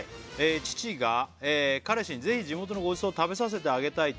「父が彼氏にぜひ地元のごちそうを食べさせてあげたいと」